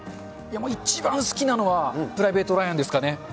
一番好きなのは、プライベートライアンですかね。